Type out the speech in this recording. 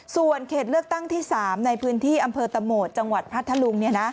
ส่วนเขตเลือกตั้งที่๓ในพื้นที่อำเภอตะโหมดจังหวัดพัทธลุง